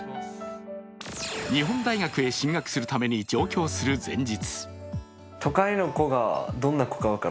日本大学へ進学するために上京する前日。